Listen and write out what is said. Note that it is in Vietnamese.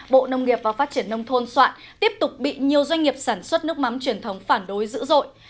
bộ nông nghiệp và phát triển nông thôn soạn tiếp tục bị nhiều doanh nghiệp sản xuất nước mắm truyền thống phản đối dữ dội